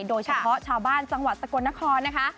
โดยเฉพาะชาวบ้านสังวัติสโกนธนคลอดนะคะ